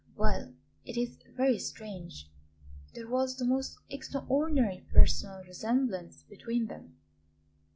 "Well, it is very strange; there was the most extraordinary personal resemblance between them."